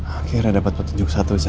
akhirnya dapat petunjuk satu